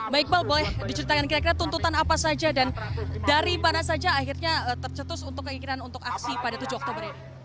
mbak iqbal boleh diceritakan kira kira tuntutan apa saja dan dari mana saja akhirnya tercetus untuk keinginan untuk aksi pada tujuh oktober ini